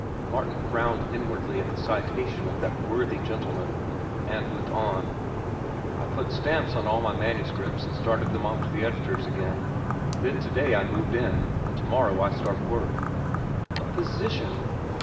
Martin frowned inwardly at the citation of that worthy gentleman, and went on: "I put stamps on all my manuscripts and started them off to the editors again. Then to day I moved in, and to morrow I start to work." "A position!"